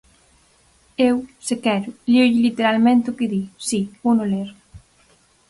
Eu, se quere, léolle literalmente o que di; si, vouno ler.